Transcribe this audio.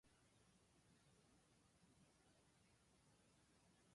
次は雲雀丘花屋敷（ひばりがおかはなやしき）です。